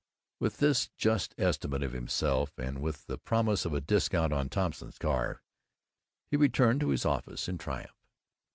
With this just estimate of himself and with the promise of a discount on Thompson's car he returned to his office in triumph.